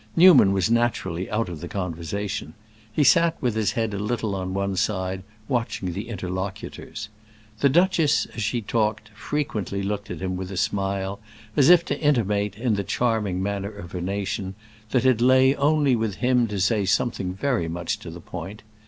Newman was naturally out of the conversation; he sat with his head a little on one side, watching the interlocutors. The duchess, as she talked, frequently looked at him with a smile, as if to intimate, in the charming manner of her nation, that it lay only with him to say something very much to the point.